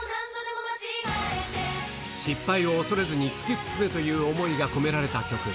失敗を恐れずに突き進めという思いが込められた曲。